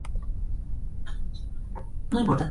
Tulio Loza además se desempeña como showman y animador.